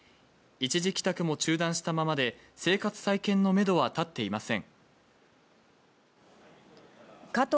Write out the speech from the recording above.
一時帰宅も中断したままで、生活再建のめどは立っていません。